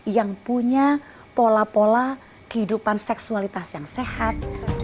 yang punya pola pola kehidupan seksualitas yang sehat